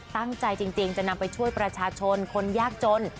ตั้งใจจริงจะนำไปช่วยประชาชนคนยากจน